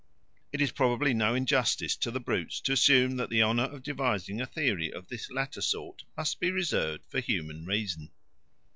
It is probably no injustice to the brutes to assume that the honour of devising a theory of this latter sort must be reserved for human reason.